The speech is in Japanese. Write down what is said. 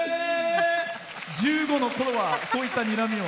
１５のころはそういったにらみを？